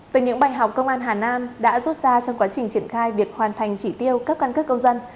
từ những bài học công an hà nam đã rút ra trong quá trình triển khai việc hoàn thành chỉ tiêu cấp căn cước công dân